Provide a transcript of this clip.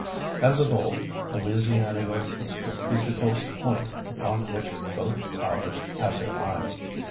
As of old, Louisiana was the strategical point upon which both powers had their eyes.